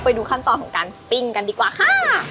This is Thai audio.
ไปดูขั้นตอนของการปิ้งกันดีกว่าค่ะ